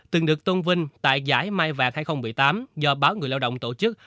từng được tôn vinh tại giải mai vàng hai nghìn một mươi tám do báo người lao động tổ chức